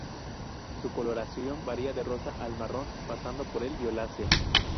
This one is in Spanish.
Su coloración varía del rosa al marrón, pasando por el violáceo.